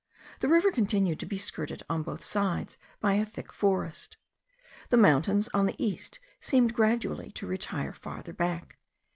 The river continued to be skirted on both sides by a thick forest. The mountains on the east seemed gradually to retire farther back.